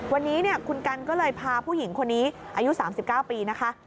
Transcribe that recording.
วันนี้คุณกันก็เลยพาผู้หญิงคนนี้อายุ๓๙ปีนะคะ